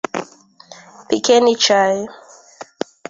Pikeni chai.